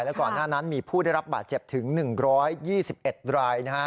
แล้วก่อนหน้านั้นมีผู้ได้รับบาดเจ็บถึง๑๒๑รายนะฮะ